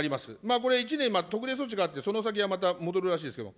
これ、１年、特例措置があって、その先はまた戻るらしいですけど。